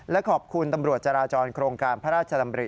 และขอบคุณตำรวจจราจรโครงการพระราชดำริ